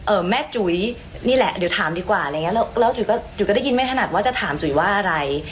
แม่จุ๋ยนี่แหละเดี๋ยวถามดีกว่าอะไรอย่างเงี้แล้วแล้วจุ๋ยก็จุ๋ยก็ได้ยินไม่ถนัดว่าจะถามจุ๋ยว่าอะไร